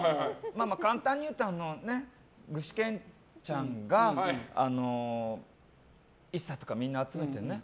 簡単に言うと具志堅ちゃんがＩＳＳＡとか、みんなを集めてね